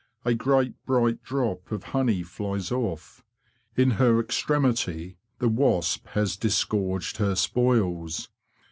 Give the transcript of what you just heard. A great bright drop of honey flies off: in her extremity the wasp has dis gorged her spoils.